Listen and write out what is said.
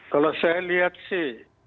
kalau saya lihat sih